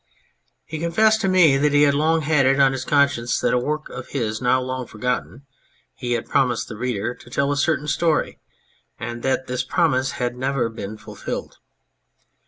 He confessed to me that he had long had it on his conscience that in a work of his now long forgotten he had promised the reader to tell a certain story, and that this promise had never been fulfilled.